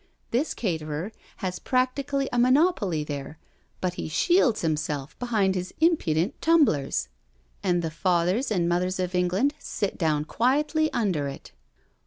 This caterer has practically a monopoly there, but he shields himself behind his impudent tumblers; and the fathers and mothers of England sit down quietly under it.